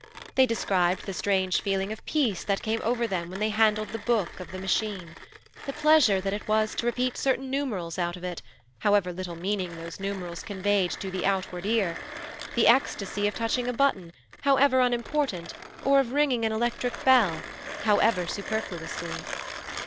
They described the strange feeling of peace that came over them when they handled the Book of the Machine, the pleasure that it was to repeat certain numerals out of it, however little meaning those numerals conveyed to the outward ear, the ecstasy of touching a button, however unimportant, or of ringing an electric bell, however superfluously.